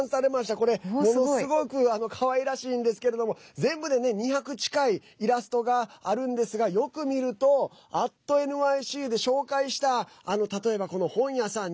これ、ものすごくかわいらしいんですけれども全部で２００近いイラストがあるんですが、よく見ると「＠ｎｙｃ」で紹介した例えば、この本屋さん